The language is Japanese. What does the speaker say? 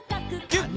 ギュッ！